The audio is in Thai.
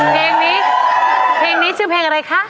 เพลงนี้เพลงนี้ชื่อเพลงอะไรคะ